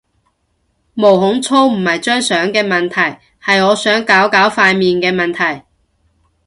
毛孔粗唔係張相嘅問題，係我想搞搞塊面嘅問題